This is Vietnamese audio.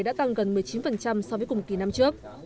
đã tăng gần một mươi chín so với cùng kỳ năm trước